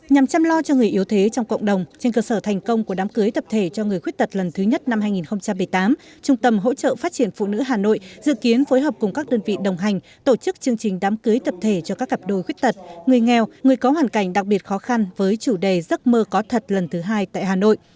nhằm chăm lo cho người yếu thế trong cộng đồng trên cơ sở thành công của đám cưới tập thể cho người khuyết tật lần thứ nhất năm hai nghìn một mươi tám trung tâm hỗ trợ phát triển phụ nữ hà nội dự kiến phối hợp cùng các đơn vị đồng hành tổ chức chương trình đám cưới tập thể cho các cặp đôi khuyết tật người nghèo người có hoàn cảnh đặc biệt khó khăn với chủ đề giấc mơ có thật lần thứ hai tại hà nội